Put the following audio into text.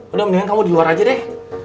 udah mendingan kamu di luar aja deh